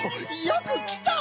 よくきた！